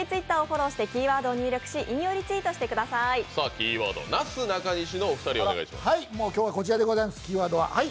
キーワードはなすなかにしのお二人お願いします。